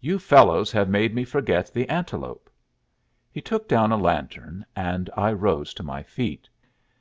"You fellows have made me forget the antelope." He took down a lantern, and I rose to my feet.